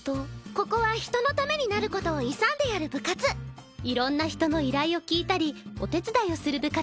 ここは人のためになることを勇んでいろんな人の依頼を聞いたりお手伝いをす